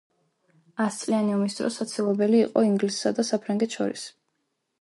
ასწლიანი ომის დროს საცილობელი იყო ინგლისსა და საფრანგეთს შორის.